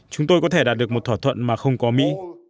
chúng tôi có thể đạt được một thỏa thuận mà không có mỹ